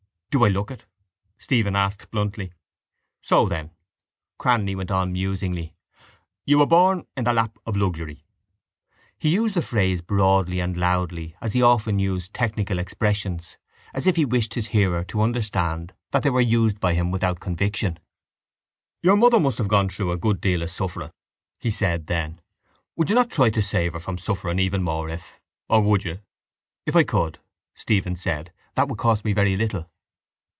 —Do I look it? Stephen asked bluntly. —So then, Cranly went on musingly, you were born in the lap of luxury. He used the phrase broadly and loudly as he often used technical expressions as if he wished his hearer to understand that they were used by him without conviction. —Your mother must have gone through a good deal of suffering, he said then. Would you not try to save her from suffering more even if... or would you? —If I could, Stephen said, that would cost me very little.